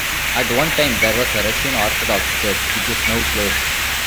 At one time there was a Russian Orthodox church which is now closed.